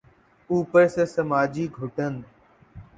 اوپر سے سماجی گھٹن۔